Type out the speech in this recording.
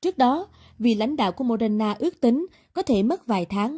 trước đó vì lãnh đạo của moderna ước tính có thể mất vài tháng